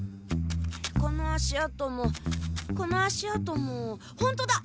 この足跡もこの足跡もホントだ！